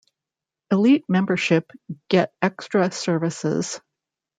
Elite membership get extra services.